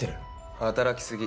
働き過ぎ。